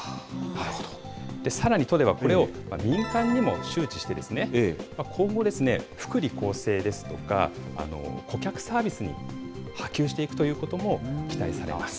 さらに都では、これを民間にも周知して、今後、福利厚生ですとか、顧客サービスに波及していくということも期待されます。